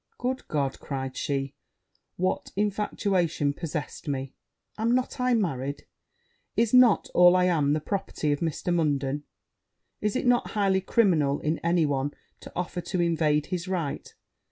'Good God!' cried she, 'what infatuation possessed me! Am I not married? Is not all I am the property of Mr. Munden? Is it not highly criminal in any one to offer to invade his right?